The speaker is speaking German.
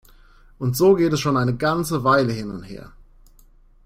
Und so geht es schon eine ganze Weile hin und her.